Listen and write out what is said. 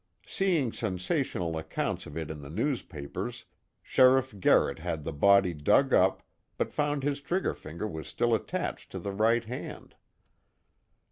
Seeing sensational accounts of it in the newspapers, Sheriff Garrett had the body dug up, but found his trigger finger was still attached to the right hand.